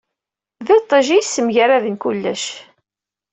D iṭij i yessemgarden kullec.